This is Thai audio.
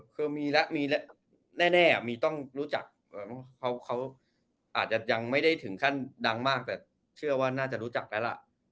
คือมีแล้วมีแน่มีต้องรู้จักเขาอาจจะยังไม่ได้ถึงขั้นดังมากแต่เชื่อว่าน่าจะรู้จักแล้วล่ะ